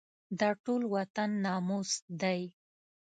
دا ټول وطن ناموس دی.